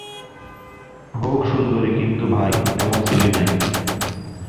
হউক সুন্দরী কিন্তু ভাই, তেমন শ্রী নাই।